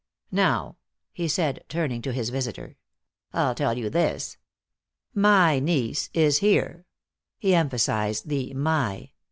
"Now," he said, turning to his visitor, "I'll tell you this. My niece is here." He emphasized the "my."